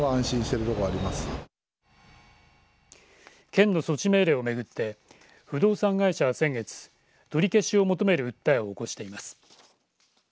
県の措置命令を巡って不動産会社は先月取り消しを求める訴えを起こしています。